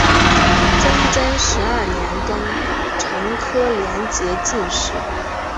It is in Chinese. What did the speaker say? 崇祯十二年庚辰科联捷进士。